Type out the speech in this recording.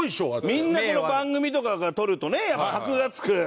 みんな番組とかがとるとねやっぱ箔が付く。